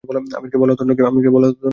আমীরকে বলা হতো নকীব।